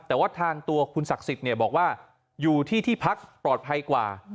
แต่ว่าทางตัวคุณศักดิ์สิทธิ์บอกว่าอยู่ที่ที่พักปลอดภัยกว่า